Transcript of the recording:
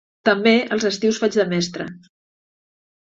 També, els estius faig de mestra.